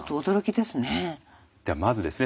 ではまずですね